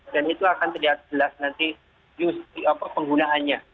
dan itu akan terlihat jelas nanti penggunaannya